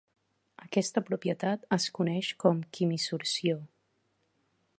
Aquesta propietat es coneix com quimisorció.